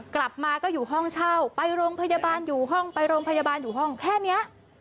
กลับมาก็อยู่ห้องเช่าไปโรงพยาบาลอยู่ห้องไปโรงพยาบาลอยู่ห้องแค่นี้